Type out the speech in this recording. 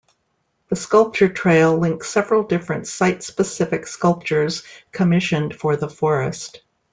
The Sculpture Trail links several different site-specific sculptures commissioned for the forest.